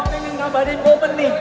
gue pengen nrabadin momen nih